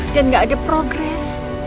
dan gak ada progres